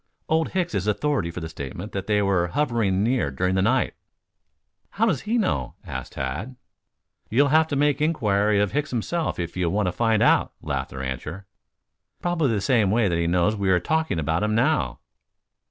"Old Hicks is authority for the statement that they were hovering somewhere near during the night." "How does he know?" asked Tad. "You'll have to make inquiry of Hicks himself if you want to find out," laughed the rancher. "Probably the same way that he knows we are talking about him now."